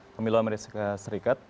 pemilu amerika serikat